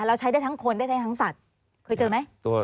แล้วใช้ได้ทั้งคนได้ใช้ทั้งสัตว์เคยเจอไหม